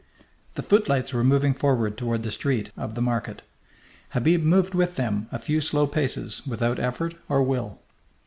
The footlights were moving forward toward the street of the market. Habib moved with them a few slow paces without effort or will.